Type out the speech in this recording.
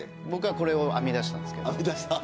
僕がこれを編み出したんですけど。